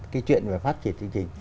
cái chuyện về phát triển chương trình